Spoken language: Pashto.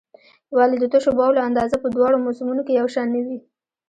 ولې د تشو بولو اندازه په دواړو موسمونو کې یو شان نه وي؟